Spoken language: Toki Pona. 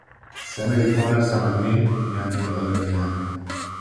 seme li pona sama ni: jan li olin e jan.